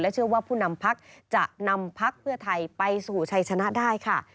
เชื่อว่าผู้นำพักจะนำพักเพื่อไทยไปสู่ชัยชนะได้ค่ะ